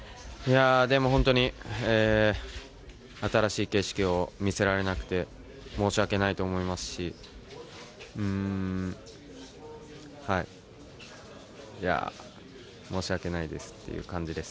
本当に新しい景色を見せられなくて申し訳ないと思いますし申し訳ないですという感じです。